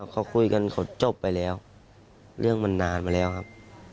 เขาคุยกันเขาจบไปแล้วเรื่องมันนานมาแล้วครับ